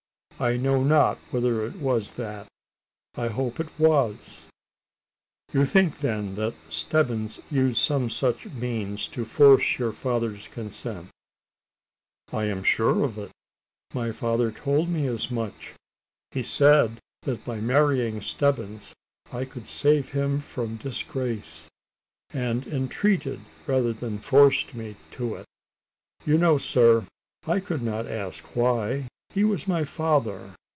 I know not whether it was that. I hope it was." "You think, then, that Stebbins used some such means to force your father's consent?" "I am sure of it. My father told me as much. He said that by marrying Stebbins I could save him from disgrace, and entreated, rather than forced me to it. You know, sir, I could not ask why: he was my father.